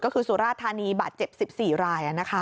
ก็คือสุรภาษณ์ธรรมนีบาดเจ็บ๑๔รายนะครับ